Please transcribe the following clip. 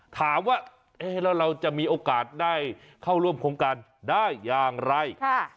ถามว่าเอ๊ะแล้วเราจะมีโอกาสได้เข้าร่วมโครงการได้อย่างไร